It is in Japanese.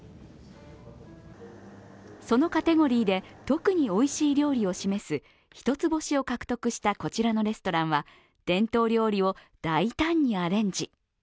そのカテゴリーで特においしい料理を示す一つ星を獲得したこちらのレストランは伝統料理を大胆にアレンジ。